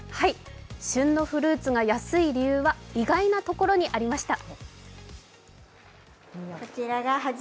旬のフルーツが安い理由は意外なところにありました。